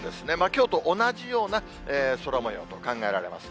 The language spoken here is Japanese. きょうと同じような空もようと考えられます。